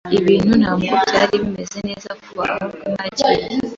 Ibintu ntabwo byari bimeze hano kuva Rwema yagiye.